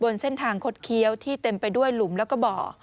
เส้นทางคดเคี้ยวที่เต็มไปด้วยหลุมแล้วก็บ่อ